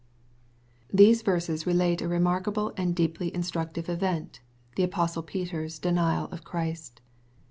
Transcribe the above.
These verses relate a remarkable and deeply instructive event the apostle Peter's denial of Christ.